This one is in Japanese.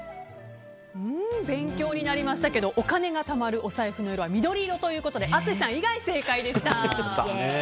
勉強になりましたけどお金がたまるお財布の色は緑色ということで淳さん以外、正解でした。